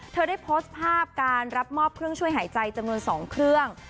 เธอได้โพสต์ภาพการรับมอบเครื่องช่วยหายใจจำนวน๒เครื่อง